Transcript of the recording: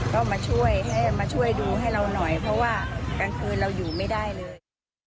ก็มาช่วยให้มาช่วยดูให้เราหน่อยเพราะว่ากลางคืนเราอยู่ไม่ได้เลย